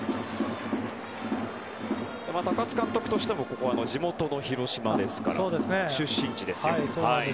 高津監督としてもここは地元の広島ですから出身地です。